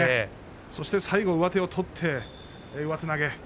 そして最後上手を取って上手投げ。